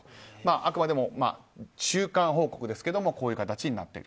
あくまでも中間報告ですけれどもこういう形になっている。